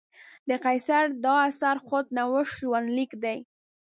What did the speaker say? د قیصر دا اثر خود نوشت ژوندلیک دی.